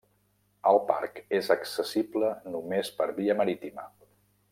El parc és accessible només per via marítima.